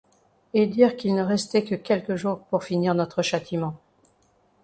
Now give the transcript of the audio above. Et dire qu'il ne restait que quelques jours pour finir notre châtiment.